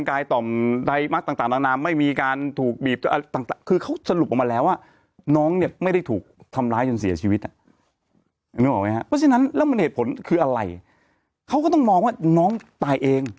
เพราะฉะนั้นแล้วมันเหตุผลคืออะไรเขาก็ต้องมองว่าน้องตายเอง